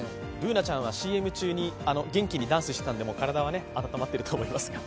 ＢｏｏｎａちゃんはＣＭ中に元気にダンスしていたんで体は温まっていると思います。